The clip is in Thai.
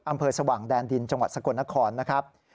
อำเภอสว่างแดนดินจังหวัดสกลนครนะครับ